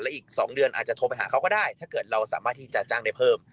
อีก๒เดือนอาจจะโทรไปหาเขาก็ได้ถ้าเกิดเราสามารถที่จะจ้างได้เพิ่ม